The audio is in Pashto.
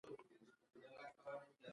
د بندونو ارترایټس درد راولي.